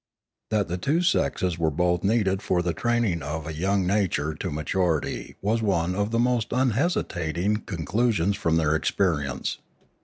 That the two sexes were both needed for the training of a young nature to maturity was one of the most un hesitating conclusions from their experience.